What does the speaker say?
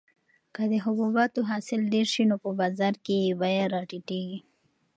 که د حبوباتو حاصل ډېر شي نو په بازار کې یې بیه راټیټیږي.